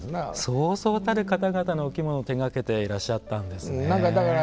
そうそうたる方々のお着物を手がけていらっしゃったんですね。